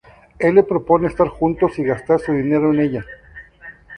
Él le propone estar juntos y gastar su dinero en ella.